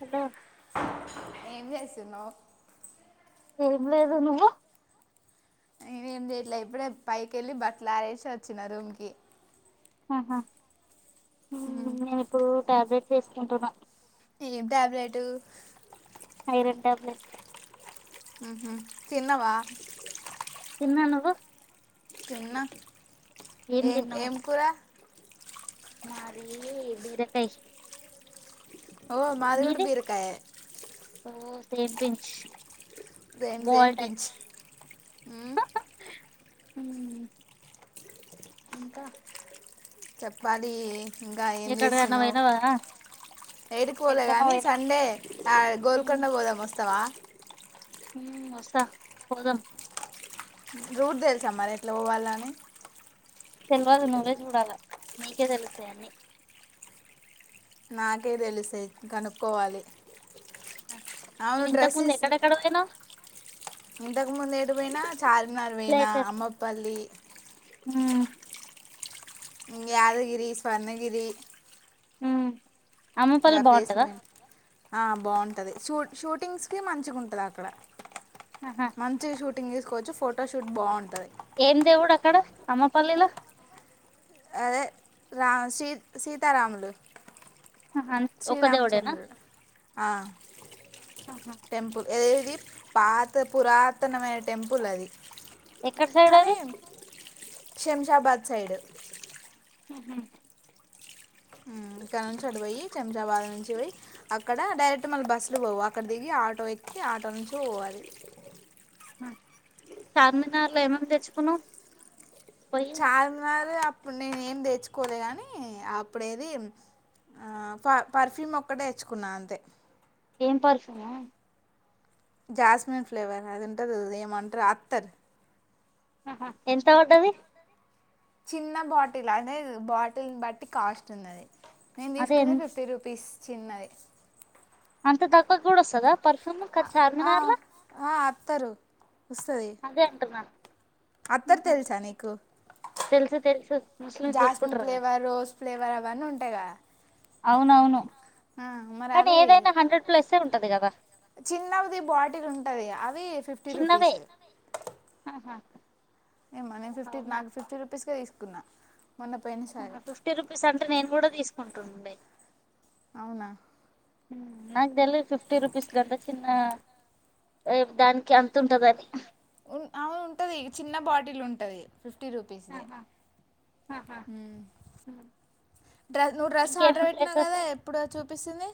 Hello ఏం చేస్తున్నావ్ ఏం లేదు నువ్వు నేనుఏం చేయట్లే ఇప్పుడే పైకెళ్లి బట్టలు ఆరేసి వచ్చినా రూమ్కి ఆహా నేను ఇప్పుడు టాబ్లెట్స్ వేసుకుంటున్నా ఏం ట్యాబ్లెట్ ఐరన్ టాబ్లెట్ ఓహో తిన్నావా తిన్నా నువ్వు తిన్నాఏం ఏం కురా మాదీ బీరకై ఓ మాదికూడా బీరకాయే ఓ same pinch same same ball pinch type ఉమ్ ఉమ్ ఇంకా చెప్పాలీ ఇంకా ఏం ఎక్కడికన్నా చేస్తున్నావ్, పోయినావా ఏడకీ పోలే ఎక్కడికన్నా గాని పోయినావా సండే ఆ గోల్కొండ పోదాం వస్తావా, ఊ వస్తా పోదాం రూట్ తెలుసా మరి ఎట్లా పోవాల్నా అని తెల్వాదు నువ్వే చూడాలా నీకే తెలుస్తాయి, అన్నీ నాకేం తెలిసే కనుక్కోవాలి అవును నువ్వు ఇంతకుముందు ఎక్కడెక్కడకి పోయినావ్ ఇంతకుముందు ఏడకి పోయినా చార్ మినార్ పోయినా అమ్మపల్లి ఊ యాదగిరి, స్వర్ణగిరి గా అమ్మపల్లి ప్లేస్లు బాగుంటదా, పోయినా ఆ బాగుంటది షూ షూటింగ్స్ కి మంచిగా ఉంటది అక్కడ ఆహా మంచి షూటి టింగ్ తీసుకోవచ్చు ఫోటోషూట్ బాగుంటుది. ఏం దేవుడు అక్కడ అమ్మపల్లిలో అదే రా సీ సీతారాములు ఆహా ఒక దేవుడేనా శ్రీరామచంద్ర ఆ ఆహా. టెంపుల్ ఏదే ఇది పాత పురాతనమైన టెంపుల్ అది ఎక్కడ సైడ్ కానీ అది శంషాబాద్ సైడ్ ఉహు ఉమ్ ఇక్కడ నుంచి అటు పోయి శంషాబాద్ నుంచి పోయి అక్కడ డైరెక్ట్ మళ్ళా బస్సులు పోవు అక్కడ దిగి ఆటో ఎక్కి ఆటో నుంచి పోవాలి చార్మినార్లో ఏమేమి తెచ్చుకున్నావ్, చార్ మినార్ అప్పుడు నేను ఏం తెచ్చుకోలే గాని అప్పుడేది. ఆ ప పర్ఫ్యూమ్ ఒక్కటే తెచ్చుకున్నా అంతే ఏం పర్ఫ్యూమ్ జాస్మిన్ ఫ్లేవర్ అది ఉంటది, అది ఏమంటారు అత్తర్ అహా ఎంత పడ్డది. చిన్న బాటిల్ అదే బాటిల్ బట్టి కాస్ట్ ఉన్నది. నేను అదే తీసుకునే ఎన్- ఫిఫ్టీ రూపీస్ చిన్నది, అంత తక్కువకి కూడా వస్తదా పర్ఫ్యూమ్ ఆ, ఆ, చార్మినార్ల ఆ, అత్తరు వస్తుంది అదే అంటున్నా అత్తరు తెలుసా నీకు తెలుసు తెలుసు ముస్లిమ్స్ జాస్మిన్ పెట్టుకుంటారు కదా ఫ్లేవర్, రోజ్ ఫ్లేవర్ అవన్నీ ఉంటాయి. కదా అవునవును ఆ మరి కానీ అవి ఏదైనా హండ్రెడ్ ప్లస్సే ఉంటది కదా చిన్నది బాటిలు ఉంటది అవి ఫిఫ్టీ రూపీస్ హా ఏమో నేను ఫిఫ్టీ నాకు ఫిఫ్టీ రూపీస్ కే తీసుకున్నా, మొన్న పోయినసారి ఫిఫ్టీ రూపీస్ అంటే నేను కూడా తీసుకుంటుండే, అవునా నాకు తెల్వద్ ఫిఫ్టీ రుపీస్ కి గంత చిన్న రేట్ దానికి అంత ఉంటదని, అ ఉంటది చిన్న బాటిల్ ఉంటది, ఫిఫ్ ఫిఫ్టీ రుపీస్ దే ఆహా, ఆహా. హుమ్ ఉమ్. డ్రస్ నువ్వు డ్రెస్సు ఆర్డర్ ఇంకేమేమి పెట్టినావు ప్లేసెస్ కదా ఎప్పుడు చూపిస్తుంది.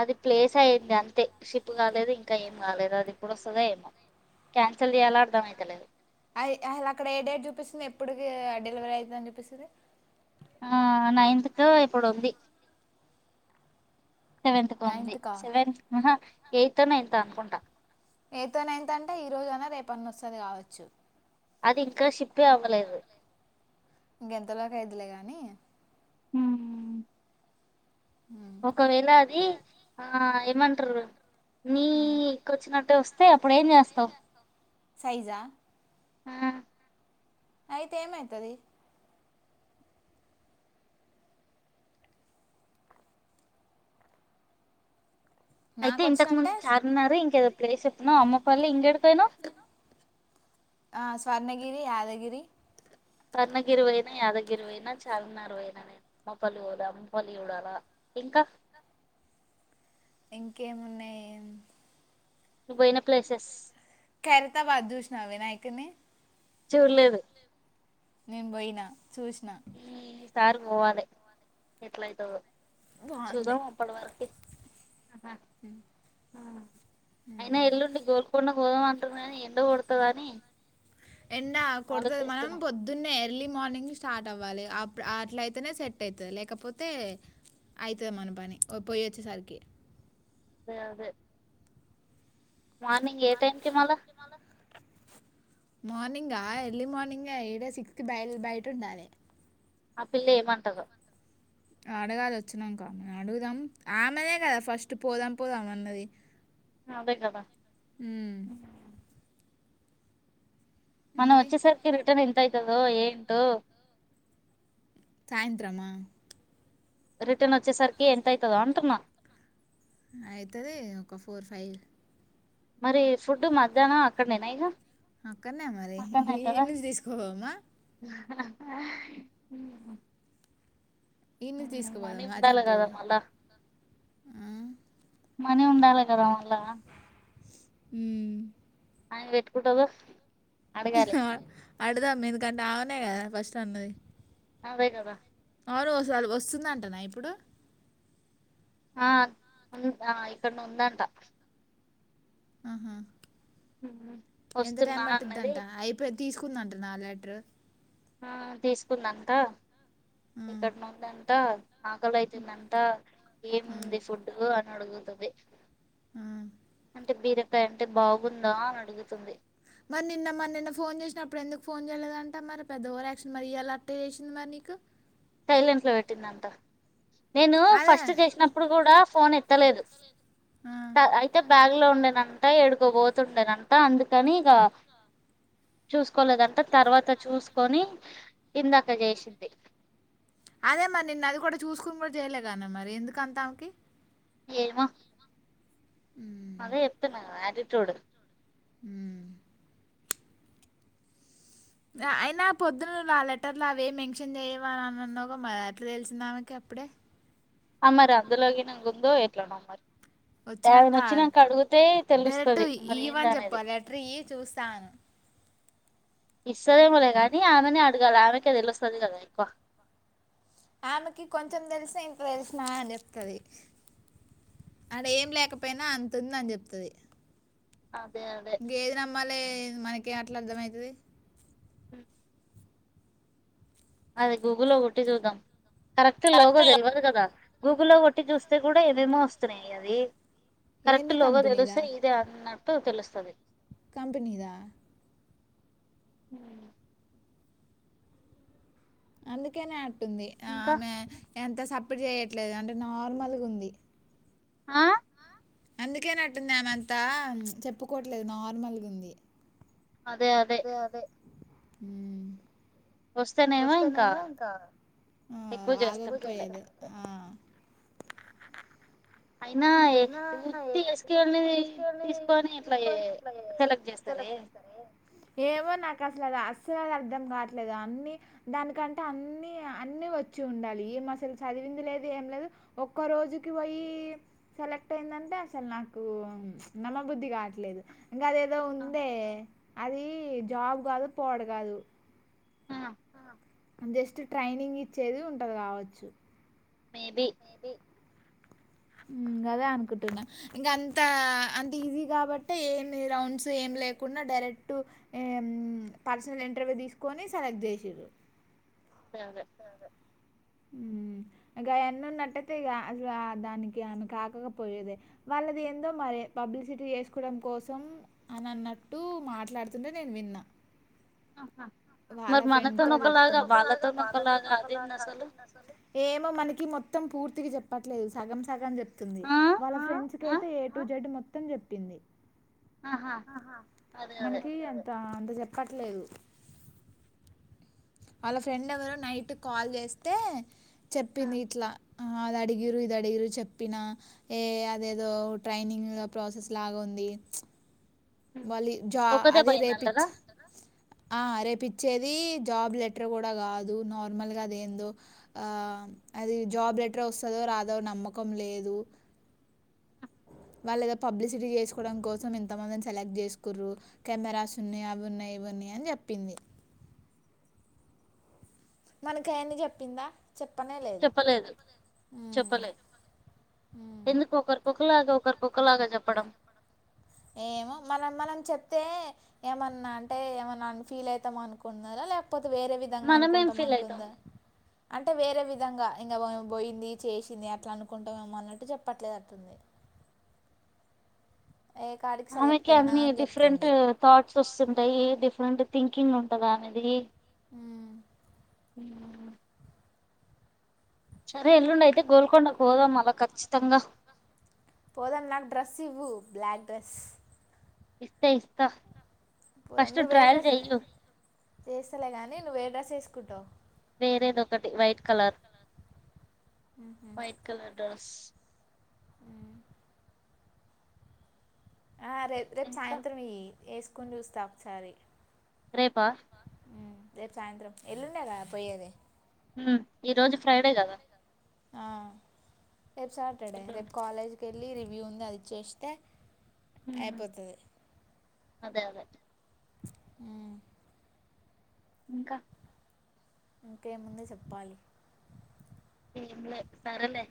అది ప్లేస్ అయ్యంది అంతే షిప్ కాలేదు ఇంకా ఏం కాలేదు అది ఎప్పుడు వస్తదో ఏమో క్యాన్సల్ చేయలో అర్థం అయితలేదు అది అల్ అక్కడ ఏ డేట్ చూపిస్తుంది ఎప్పుడికి డెలివరీ అయితుందని చూపిస్తుంది ఆ నైన్త్ కో ఎప్పుడుంది సెవెంత్ కు ఉంది సెవెంత ఆహా ఎయిత్ నైన్త్ అనుకుంటా ఎయితో నైన్ తో అంటే ఈ రోజు అయినా రేపు అన్న వస్తది కావచ్చు అది ఇంకా షిప్ ఏ అవ్వలేదు ఇంకెంతలోక అయిదిలే గాని మ్మ్. ఒకవేళ అది ఆ ఏమంటారు నీ ఇక్కడ వచ్చినట్టే వస్త వస్తే అప్పుడు ఏం చేస్తావు సైజా అయితే ఏమైతది అయితే నాకు ఇంతకు ముందు వచ్చినంటే చార్మినార్ ఇంకేదో ప్లేస్ చెప్నం అమ్మ ఇంకేడికి పోయనవ్ గిరి యాదగిరి స్వర్ణగిరి పోయినా యాదగిరి పోయినా చార్మినార్ పోయినా నేను మోపల్లి పోలా అంపల్లి చూడాల ఇంకా అ ఇంకేమున్నాయి నువ్ పోయిన ప్లేసెస్ ఖైరతాబాద్ చూస్నావా వినాయకుణ్ణి చూడలేదు నేను పోయినా చూసిన ఈ సారి పోవాలే ఎట్లయితదొ చూద్దాం అప్పటి వరకు ఆహా మ్ అయినా ఎల్లుండి గోల్కొండ పోదామంటురు కానీ ఎండ కొడతాదని ఎండ కొడతది మనం పొద్దున్నే ఎర్లీ మార్నింగ్ స్టార్ట్ అవ్వాలి అప్పు అట్ల అయితేనే సెట్ అయితది లేకపోతే అయితది మన పని ఓ పోయి వచ్చేసరికి అదే అదే మార్నింగ్ ఏ టైమ్కి మళ్ళా మార్నింగ్ ఆ ఎర్లీ మార్నింగ్ ఈడే సిక్స్ కి బయ బయట ఉండాలి ఆ పిల్ల ఏమంటదొ అడగాలి వచ్చినంక మన అడుగుదాం ఆమెనే కదా ఫస్ట్ పోదాం పోదాం అన్నది అదే కదా మ్మ్. మనం మరి వచ్చేసరికి రిటర్న్ ఎంత అయితదో ఏంటో సాయంత్రమా రిటర్న్ వచ్చేసరికి ఎంత అయితదో అంటున్నా అయితదే ఒక ఫోర్ ఫైవ్ మరి ఫుడ్ మధ్యాహ్నం అక్కడ నేనా ఇగ అక్కడనే మరి అక్కడనే అయితదా ఈడ్ నుంచి తీసుకోదామా ఈన్ని మనీ తీసుకుపోదాం మా ఉండాలి చెప్పు కదా మళ్ళా ఆ మనీ ఉండాలి కదా మళ్ళా మ్ అయ్ మే పెట్టుకుటదో అడదాం ఎందుకంటే అమనే కదా ఫస్ట్ అన్నది అదే కదా అవును వోసలు వస్తుందంటనా ఇప్పుడు ఆ ఉ ఇక్కడనే ఉందంట మ్ హు ఎంత టైం వస్తున్నా అన్నది పట్టిందట్ట అయిపోయి తీసుకు చూసుకుందంట ఆ లెటరు. ఆ తీసుకుందంట ఎక్కడోనో ఉందంట. ఆకలి అయితుందంతా, ఏముంది ఫుడ్ అని అడుగుతుంది. ఆ అంటే బీరక అంటే బాగుందా అని అడుగుతుంది. మరి నిన్న మరి నిన్న ఫోన్ చేసినప్పుడు ఎందుకు ఫోన్ చేయలేదంట. మరి పెద్ద ఓ యాక్షన్ మరి ఇ యాల చేసింది. మరి అ ట్లా చేసింది నీక్. కు సైలెంట్ లో పెట్టిందంట, నేను అదే ఫస్ట్ చేసినప్పుడు కూడా ఫోన్ ఎ. త్తలేదు, ఆ. లేదు అయితే బ. బ్యాగ్ లో లో ఉండేనంత ఏడుకోబోతుండేనంత. అందుకని ఇగా. చూసుకోలేదంట. తర్వాత చూసుకొని ఇందాక చేసింది. అదే మరి నిన్ను అది కూడా చూసుకుని. కూడా చేయలేగానే. మరి ఎందుకు అంతా ఆమెకి. ఏమో. ఉమ్, అదే చెప్తున్నా కదా ఆటిట్యూడ్. హ్మ్ అయినా పొద్దున్ ఆ లెటర్లు అవే మెన్షన్ చేయవని అ అన్నావు అట్లా తెలిసింద ఆమెకి అప్పుడే. అమ్మరి అందులోకి అద్దులో గిట్ల ఉందో ఎట్లానే మరి. యాభై న వచ్చినాక అడిగితే డైరెక్ట్ తెలుస్తుంది మరి ఏంద ఇవ్వని చెప్పు అనేది. ఆ లెటర్ ఇవి చూస్తాను వస్తాదేమో. లే గాని కానీ ఆమెనే అడగాలి. ఆమెకే తెలిస్తుంది. కదా ఎక్కువ. ఆమెకి కొంచెం తెలిసా ఇంత తెలిసినా అని చెప్తుంది. ఆడ ఏం లేకపోయినా అంతంది అని చెప్తుది. అదే అదే ఇంకేది నమ్మాలి మనకి అట్లా అర్థమవుతుంది. అ అది గూగుల్లో కొట్టి చూద్దాం. కరెక్ట్ లోగో తెలియదు కదా. గూగుల్లో కొట్టి చూస్తే కూడా ఏమేమో వస్తున్నాయి. అవి. కరెక్ట్ ఏంది లోగా కంపెనీదా తెలిస్తే ఇదే అన్నట్టు తెలుస్తుంది. కంపెనీదా. హ్మ్ అందుకేనే అట్టుంది ఆ ఇంకా ఆమె ఎంత స. ప్పుడు చేయట్లేదు అంటే నార్మల్గా ఉంది. ఆ అందుకే నట్టుందమంతా చెప్పుకోవట్లేదు. నార్మల్గా ఉంద అదే అదే. అ వస్తేనేమో ఇంకా ఎక్కువ ఆగబుద్ధి చేస్తుంటుండే అయ్యేది ఆ. అయినా [unintelligible] తీసుకొని ఎట్లా సెలెక్ట్ చేస్తారే. ఏమో నాకసలు ఆ. అసలు అర్థం కావట్లేదు, అన్ని దానికంటే అన్ని అన్ని వచ్చి ఉండాలి ఈమె అసలు చదది. చదివింది లేదు, ఏం లేదు ఒక్క రోజుకి పోయి. సెలెక్ట్ అయిందంటే అసలు నాకు నమ్మబుద్ధి కావట్లేదు. ఇంకా అది ఏదో ఉందే, అది జాబ్ కాదు పోడ కాదు. ఆ జస్ట్ ట్రైనింగ్ ఇచ్చేది ఉంటది కావచ్చు. మేబి. హ్మ్ అదే అనుకుంటున్నా ఇంకా అంత అంత ఈజీ కాబట్టి ఏమి రౌండ్స్ ఏమి. లేకుండా డైరెక్ట్, పర్సనల్ ఇంటర్వూ తీసుకని సెలెక్ట్ చేసారు. అదే అదే. గాయన్ను ఉన్నట్టయితే ఇ గ, ఇ గ దానికి. ఆమె కాకకపోయెదే వాళ్ళది ఏందో మరి పబ్లిసిటీ చేసుకోవడం కోసం అని అన్నారు ట్టు మాట్లాడుతుంటే నేను విన్నా ఆహా వాళ్ళ ఫ్రెండ్తో చెప్తుంది మనతోని ఒకలాగ వాళ్ళతోని అదేంది ఒకలాగా అసలు అదేంటి అస్సలు ఏమో మనకి మొత్తం పూర్ ర్తిగ చెప్పట్లేదు సగం సగం చెప్తుంది ఆ వాళ్ళ ఫ్రెండ్స్ కి ఆ? అయితె ఏ టు జెడ్ మొత్తం చెప్పింది ఆహా అదే అదే మనకి అంత అ జేప్పట్లేదు వాళ్ళ ఫ్రెండ్ ఎవరో నైట్ కాల్ చేస్తే ఆ. చెప్పింది ఇట్లా అది అడిగిరు ఇది అడిగిరు చెప్పినా ఏ అదేదో ట్రైనింగ్ ప్రాసెస్ లాగా ఉం ది వాళ్ళీ జా ఒకదే అది పోయిందంటారా రేపిచ్చి అ రేపు ఇచ్చేది జాబ్ లెటర్ కూడా కాదు నార్మల్గా అదేందో ఆ అది జాబ్ లెటర్ వస్తాదో రాదో నమ్మకం లేదు వాళ్ళు ఏదో పబ్లిసిటీ చేసుకోవడం కోసం ఇంతమందిని సెలెక్ట్ జేస్కుర్రు కెమెరాస్ ఉన్నాయి అవి ఉన్నాయి ఇవి ఉన్నాయి అని జెప్పింది మనకి అయన్ని జేప్పిందా చెప్పనే లేదు చెప్పలేదు మ్మ్ చెప్పలేదు చెప్పదు మ్మ్ ఒకలాగా ఒకరికొకలాగా చెప్పడం ఏమో మనం మనం చెప్తే ఏమన్నా అంటే ఏమన్నా ఫీల్ అవుతాము అనుకున్నారా లేక పోతే వేరే విధంగా మనమేం అనుకుంటాం ఫీల్ అవుతాం అనుకుందా అంటే వేరే విధంగా ఇంకా పరువు బోయింది చేసింది అట్లా అనుకుంటామేమో అన్నట్టు చెప్పట్లేదు అట్టుంది [unintelligible] ఏ కాడికి సెలెక్ట్ ఆమెకి అయినా అన్ని అని డిఫరెంట్ చెప్తుంది థాట్స్ వస్తుంటాయి డిఫరెంట్ థింకింగ్ ఉంటాది ఆమెది ఉమ్ ఉమ్ సరే ఎల్లుండి అయితే గోల్కొండకు పోదాం మళ్ళ ఖచ్చితంగా పోదాం నాకు డ్రెస్ ఇవ్వు బ్లాక్ డ్రెస్ ఇస్త ఇస్త పోదాం నువ్వు ఏ డ్రెస్ స్నానం జేయ్యు చేస్తలే గాని నువ్వే డ్రెస్ ఎసుకుంటావ్ వేరేదొకటి white colour white colour dress మ్ ఆ రే రేపు ఇంకా సాయంత్రం ఇయ్యి ఎసుకొని చూస్తా ఒకసారి రేపా ఉమ్, రేపు సాయంత్రం ఎల్లుండే గా పోయేది మ్మ్ ఈ రోజు ఫ్రైడే గదా ఆ రేపు సాటర్డే ఎల్లుండి రేపు కాలేజ్ కెళ్ళి రివ్యూ ఉంది అది చేస్తే ఉమ్ అయిపోతది అదే అదే మ్ ఇంకా ఇంకేముంది చెప్పాలి ఏం లే సరేలే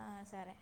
ఆ సరే